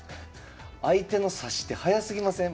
相手の指し手早すぎません？